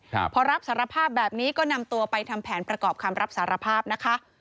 พอรับสารภาพแบบนี้ก็นำตัวไปทำแผนประกอบคำรับสารภาพนะคะ